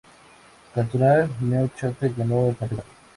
Cantonal Neuchâtel ganó el campeonato.